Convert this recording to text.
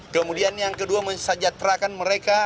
kemudian yang kedua mensejahterakan mereka